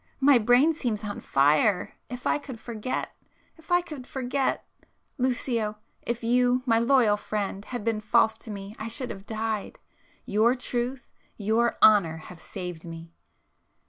My brain seems on fire! If I could forget! ... if I could forget! Lucio—if you, my loyal friend, had been false to me I should have died,—your truth, your honour have saved me!"